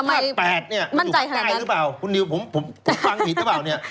๘เนี่ยมันอยู่ใกล้หรือเปล่าคุณนิวผมผมฟังผิดหรือเปล่าเนี่ย